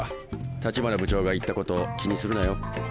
橘部長が言ったこと気にするなよ。